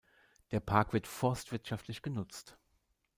Der Park wird forstwirtschaftlich genutzt.